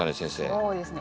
そうですね